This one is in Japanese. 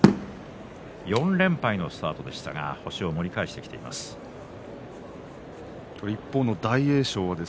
４連敗のスタートでしたけども星を盛り返してきています。